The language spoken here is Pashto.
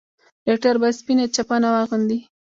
ډاکټر بايد سپينه چپنه واغوندي.